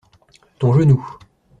Ton genou.